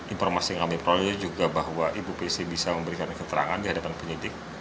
informasi yang kami peroleh juga bahwa ibu pc bisa memberikan keterangan di hadapan penyidik